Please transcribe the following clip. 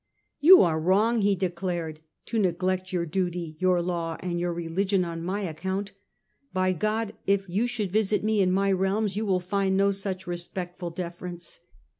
" You are wrong," he declared, " to neglect your duty, your law and your religion on my account. By God, if you should visit me in my realms you will find no such respectful deference."